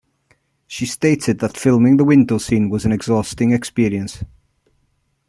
She stated that filming the window scene was an exhausting experience.